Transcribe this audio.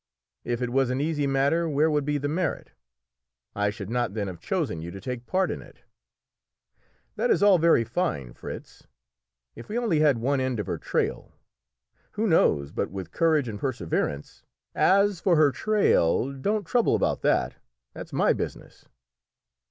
"If it was an easy matter where would be the merit? I should not then have chosen you to take a part in it." "That is all very fine, Fritz. If we only had one end of her trail, who knows but with courage and perseverance " "As for her trail, don't trouble about that; that's my business."